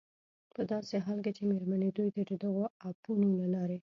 په داسې حال کې چې مېرمنې دوی ته د دغو اپونو له لارې